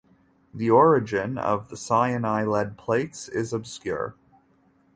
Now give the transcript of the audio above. The origin of the Sinaia lead plates is obscure.